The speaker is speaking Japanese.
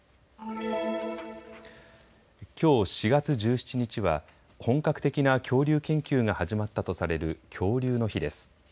きょう４月１７日は本格的な恐竜研究が始まったとされる恐竜の日です。